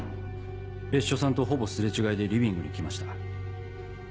別所さんとほぼ擦れ違いでリビングに来ました。